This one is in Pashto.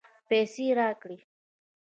پیسې راکړې.